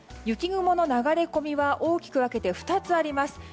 雪雲の流れ込みは大きく分けて２つあります。